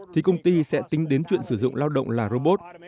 thì công ty sẽ tính đến chuyện sử dụng lao động là robot